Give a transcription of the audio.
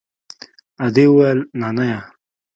ادې وويل نانيه.